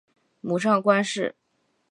母上官氏。